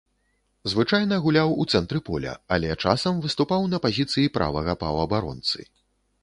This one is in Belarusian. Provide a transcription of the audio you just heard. Звычайна гуляў у цэнтры поля, але часам выступаў на пазіцыі правага паўабаронцы.